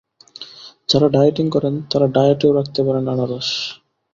যারা ডায়েটিং করেন তারা ডায়েটেও রাখতে পারেন আনারস।